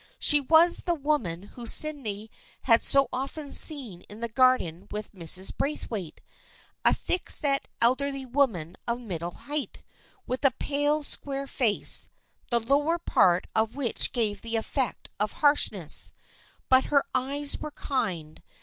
She was the woman whom Sydney had so often seen in the garden with Mrs. Braithwaite. A thick set elderly woman of middle height, with a pale square face, the lower part of which gave the effect of harshness, but her eyes were kind.